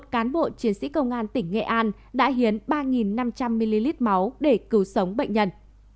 một cán bộ chiến sĩ công an tỉnh nghệ an đã hiến ba năm trăm linh ml máu để cứu sống bệnh nhân